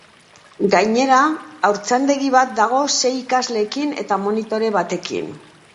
Gainera, haurtzaindegi bat dago sei ikasleekin eta monitore batekin.